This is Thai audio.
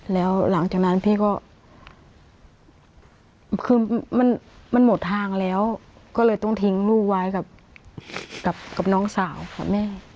แล้วหลังจากนั้นพี่ก็คือมันหมดทางแล้วก็เลยต้องทิ้งลูกไว้กับน้องสาวค่ะแม่